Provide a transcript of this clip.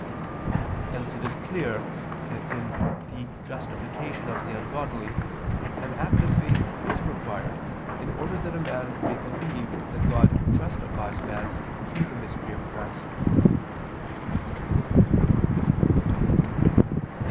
Hence it is clear that in the justification of the ungodly an act of faith is required in order that a man may believe that God justifies man through the mystery of Christ.